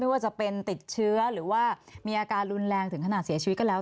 ว่าจะเป็นติดเชื้อหรือว่ามีอาการรุนแรงถึงขนาดเสียชีวิตก็แล้ว